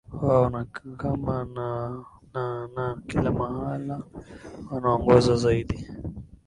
wao na kama na na na kila mahala wanaongozwa zaidi